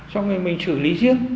xong rồi mình xử lý